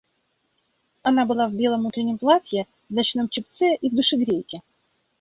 Она была в белом утреннем платье, в ночном чепце и в душегрейке.